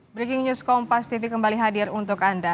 breaking news kompas tv kembali hadir untuk anda